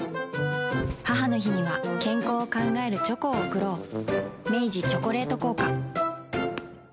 母の日には健康を考えるチョコを贈ろう明治「チョコレート効果」